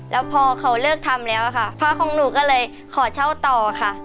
แล้วพอเขาเลิกทำแล้วค่ะพ่อของหนูก็เลยขอเช่าต่อค่ะ